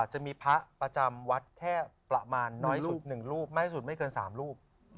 จะมีพระประจำวัดแค่ประมาณน้อยสุด๑รูปมากที่สุดไม่เกิน๓รูป